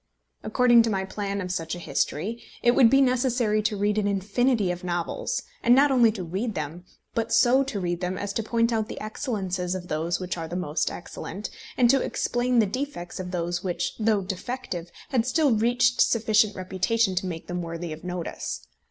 According to my plan of such a history it would be necessary to read an infinity of novels, and not only to read them, but so to read them as to point out the excellences of those which are most excellent, and to explain the defects of those which, though defective, had still reached sufficient reputation to make them worthy of notice.